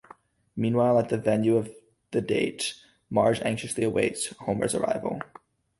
Meanwhile, at the venue of the date, Marge anxiously awaits Homer's arrival.